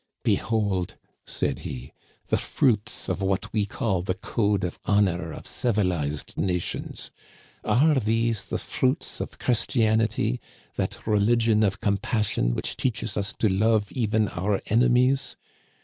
Behold," said he, " the fruits of what we call the code of honor of civilized nations ! Are these the fruits of Christianity, that religion of compassion which teaches us to love even our enemies